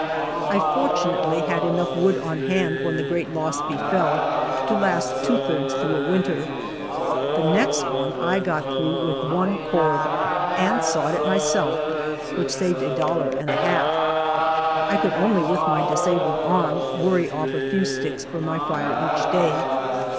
I fortunately had enough wood on hand when the great loss befell to last two thirds through a winter. The next one I got through with one cord, and sawed it myself, which saved a dollar and a half. I could only, with my disabled arm, worry off a few sticks for my tire each day.